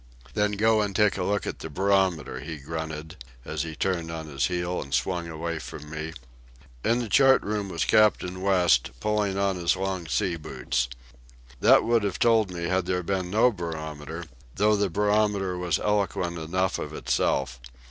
"Then go and take a look at the barometer," he grunted, as he turned on his heel and swung away from me. In the chart room was Captain West, pulling on his long sea boots. That would have told me had there been no barometer, though the barometer was eloquent enough of itself.